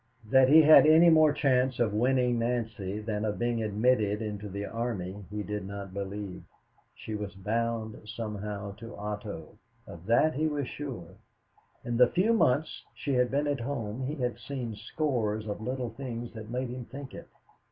That he had any more chance of winning Nancy than of being admitted into the army, he did not believe. She was bound somehow to Otto, of that he was sure. In the few months she had been at home he had seen scores of little things that made him think it.